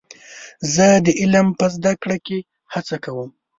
زه د علم په زده کړه کې هڅه کوم.